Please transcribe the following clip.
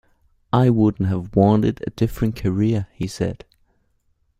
I wouldn't have wanted a different career, he said.